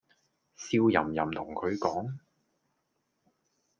笑淫淫同佢講